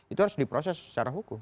itu harus diproses secara hukum